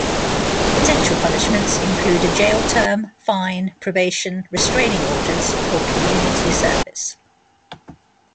Potential punishments include a jail term, fine, probation, restraining orders, or community service.